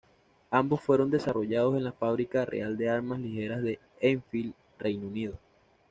Ambos fueron desarrollados en la Fábrica Real de Armas Ligeras de Enfield, Reino Unido.